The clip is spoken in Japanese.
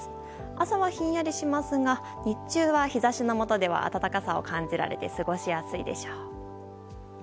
朝はひんやりしますが日中は日差しのもとでは暖かさを感じられて過ごしやすいでしょう。